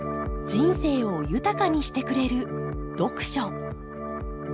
人生を豊かにしてくれる読書。